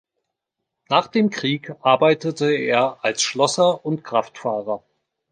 Nach dem Krieg arbeitete er als Schlosser und Kraftfahrer.